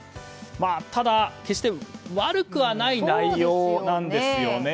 ただ、決して悪くはない内容なんですよね。